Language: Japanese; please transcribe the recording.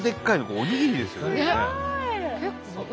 おにぎりですよね。